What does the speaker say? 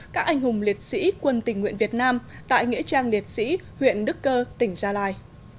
các anh hùng liệt sĩ quân tình nguyện việt nam tại nghĩa trang liệt sĩ huyện đức cơ tỉnh gia lai